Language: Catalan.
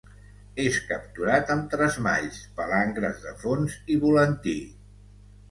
És capturat amb tresmalls, palangres de fons i volantí.